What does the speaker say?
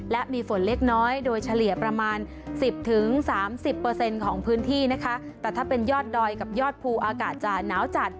และมีฝนเล็กน้อยโดยเฉลี่ยประมาณสิบถึงสามสิบเปอร์เซ็นต์ของพื้นที่นะคะแต่ถ้าเป็นยอดดอยกับยอดภูอากาศจะหนาวจัด